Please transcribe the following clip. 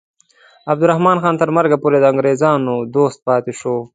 عبدالرحمن خان تر مرګه پورې د انګریزانو دوست پاتې شو.